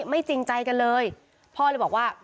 จริงใจกันเลยพ่อเลยบอกว่า